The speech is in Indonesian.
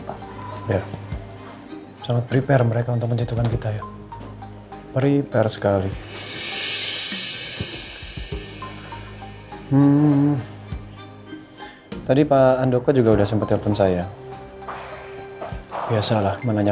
kalau misalkan aku jadi bren ambasador gimana